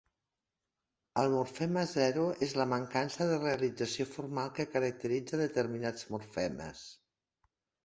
El morfema zero és la mancança de realització formal que caracteritza determinats morfemes.